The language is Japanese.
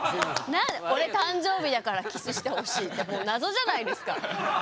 何で「俺誕生日だからキスしてほしい」ってもう謎じゃないですか。